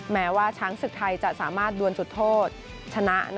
แม้ว่าช้างศึกไทยจะสามารถดวนจุดโทษชนะ